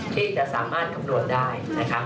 ที่จะสามารถกำนวณได้